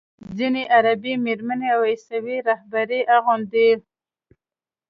ځینې عربي میرمنې او عیسوي راهبې یې اغوندي.